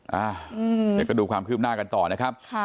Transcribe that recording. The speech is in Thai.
เดี๋ยวก็ดูความคืบหน้ากันต่อนะครับ